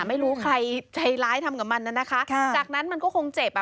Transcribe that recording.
ไม่รู้ใครใจร้ายทำกับมันน่ะนะคะจากนั้นมันก็คงเจ็บอ่ะ